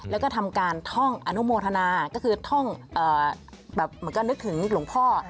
แล้วก็ทำการท่องอนุโมทนาก็คือท่องแบบเหมือนก็นึกถึงหลวงพ่อ